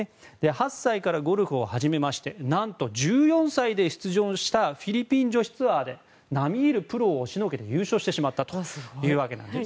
８歳からゴルフを始め何と１４歳で出場したフィリピン女子ツアーで並み居るプロを押しのけて優勝してしまったというわけです。